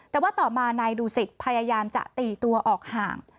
แต่ว่าต่อมานายดูสิตพยายามจะตีตัวออกห่าง